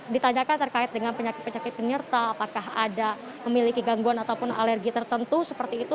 ditanyakan terkait dengan penyakit penyakit penyerta apakah ada memiliki gangguan ataupun alergi tertentu seperti itu